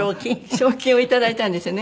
賞金を頂いたんですよね。